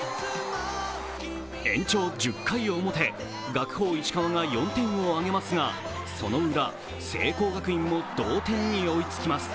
延長１０回表、学法石川が４点を挙げますが、そのウラ、聖光学院も同点に追いつきます。